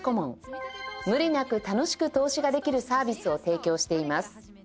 無理なく楽しく投資ができるサービスを提供しています